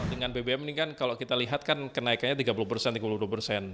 dengan bbm ini kan kalau kita lihat kan kenaikannya tiga puluh persen tiga puluh dua persen